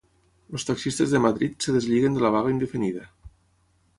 Els taxistes de Madrid es deslliguen de la vaga indefinida.